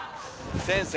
先生！